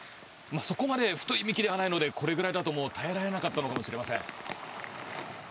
そこまで太い幹ではないのでこれくらいだと耐えられなかったのかもしれません。